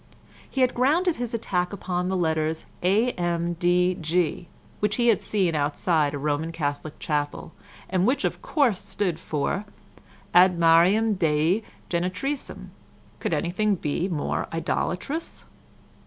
He had grounded his attack upon the letters A.M.D.G., which he had seen outside a Roman Catholic chapel, and which of course stood for Ad Mariam Dei Genetricem. Could anything be more idolatrous?